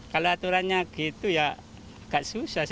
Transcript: kalau aturannya gitu ya gak susah